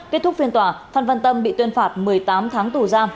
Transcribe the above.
kết thúc phiên tòa phan văn tâm bị tuyên phạt một mươi tám tháng tù giam